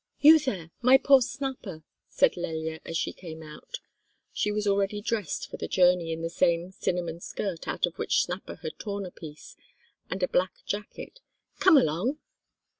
"You there! my poor Snapper," said Lelya as she came out. She was already dressed for the journey in the same cinnamon skirt, out of which Snapper had torn a piece, and a black jacket. "Come along!"